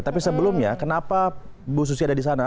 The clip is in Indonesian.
tapi sebelumnya kenapa bu susi ada di sana